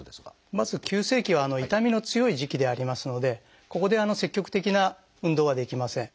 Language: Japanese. まず急性期は痛みの強い時期でありますのでここで積極的な運動はできません。